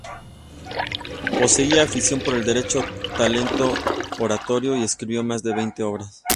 Poseía afición por el Derecho, talento oratorio y escribió más de veinte obras.